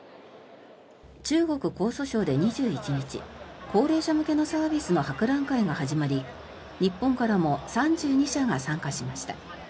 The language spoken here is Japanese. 中国・江蘇省で２１日高齢者向けのサービスの博覧会が始まり日本からも３２社が参加しました。